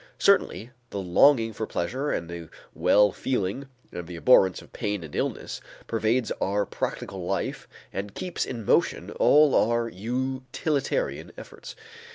Certainly the longing for pleasure and a well feeling and the abhorrence of pain and illness pervades our practical life and keeps in motion all our utilitarian efforts.